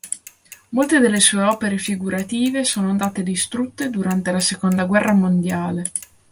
Molte delle sue opere figurative sono andate distrutte durante la seconda guerra mondiale.